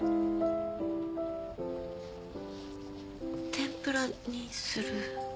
天ぷらにする？